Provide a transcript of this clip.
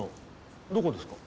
どこですか？